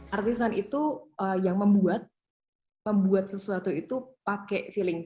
artisan itu yang membuat sesuatu itu pakai feeling